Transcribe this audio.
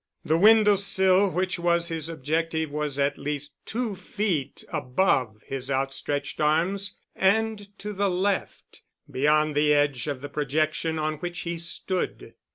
The window sill which was his objective was at least two feet above his outstretched arms and to the left, beyond the edge of the projection on which he stood.